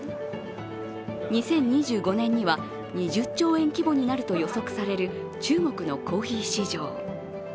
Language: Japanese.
２０２５年には２０兆円規模になると予測される中国のコーヒー市場。